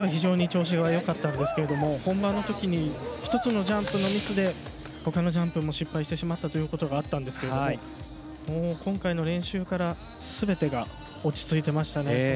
練習では非常に調子がよかったんですが本番のとき１つのジャンプのミスでほかのジャンプも失敗してしまったことがあったんですが今回は練習からすべてが落ち着いていましたね。